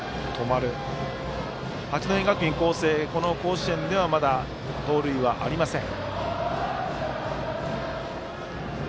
八戸学院光星この甲子園ではまだ盗塁はありません。